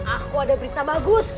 aku ada berita bagus